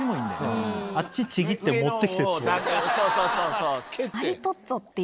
そうそうそうそう。